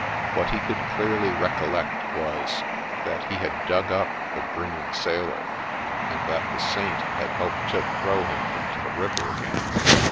What he could clearly recollect was, that he had dug up the Grinning Sailor, and that the Saint had helped to throw him into the river again.